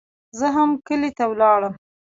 زه هم کلي ته ولاړم.